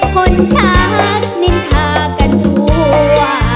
คนชักนินทากันทั่ว